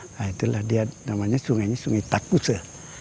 nah itulah dia namanya sungainya sungai takuse